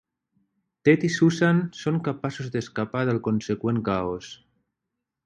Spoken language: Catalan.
Ted i Susan són capaços d'escapar del conseqüent caos.